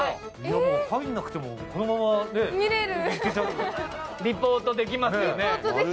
入らなくても、このままリポートできちゃう。